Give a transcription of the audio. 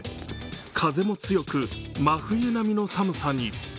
風も強く真冬並みの寒さに。